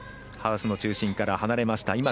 ハウスの中心から離れました。